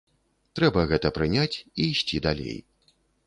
Трэба гэта прыняць і ісці далей.